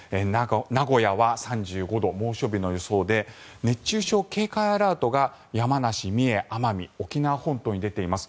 名古屋は３５度猛暑日の予想で熱中症警戒アラートが山梨、三重、奄美、沖縄本島に出ています。